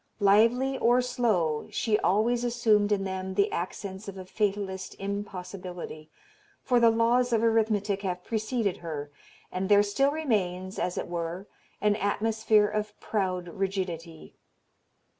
Lively or slow she always assumed in them the accents of a fatalist impossibility, for the laws of arithmetic have preceded her, and there still remains, as it were, an atmosphere of proud rigidity.